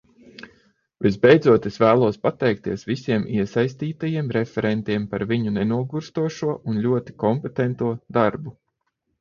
Visbeidzot es vēlos pateikties visiem iesaistītajiem referentiem par viņu nenogurstošo un ļoti kompetento darbu.